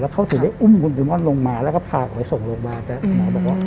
แล้วเขาถึงได้อุ้มคุณเดมอนลงมาแล้วก็พาไปส่งโรงพยาบาลแล้ว